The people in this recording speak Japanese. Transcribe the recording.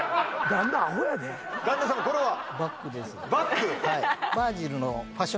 バッグ？